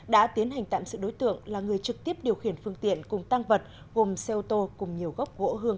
đã tiến hành tạm sự đối tượng là người trực tiếp điều khiển phương tiện cùng tăng vật gồm xe ô tô cùng nhiều gốc gỗ hương